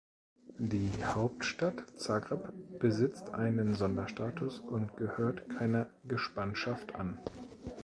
Die Hauptstadt Zagreb besitzt einen Sonderstatus und gehört keiner Gespanschaft an.